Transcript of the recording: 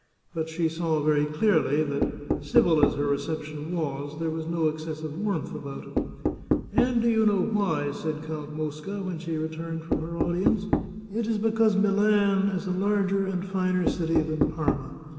But she saw very clearly that civil as her reception was, there was no excessive warmth about it. " And do you know why ?" said Count Mosca, when she returned from her audience. " It is because Milan is a larger and finer city than Parma.